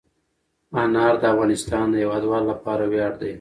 انار د افغانستان د هیوادوالو لپاره ویاړ دی.